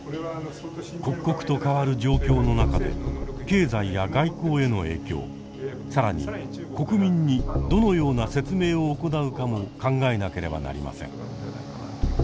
刻々と変わる状況の中で経済や外交への影響更に国民にどのような説明を行うかも考えなければなりません。